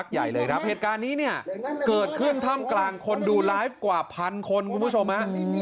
ใหญ่เลยครับเหตุการณ์นี้เนี่ยเกิดขึ้นท่ามกลางคนดูไลฟ์กว่าพันคนคุณผู้ชมฮะ